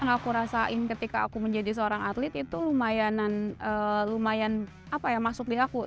yang aku rasain ketika aku menjadi seorang atlet itu lumayan masuk di aku